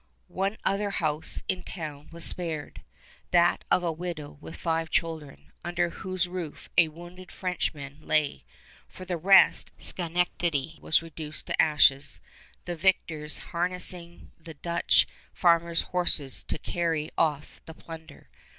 One other house in the town was spared, that of a widow with five children, under whose roof a wounded Frenchman lay. For the rest, Schenectady was reduced to ashes, the victors harnessing the Dutch farmers' horses to carry off the plunder.